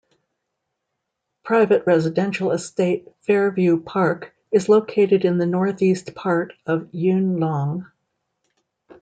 Private residential estate Fairview Park is located in the northeast part of Yuen Long.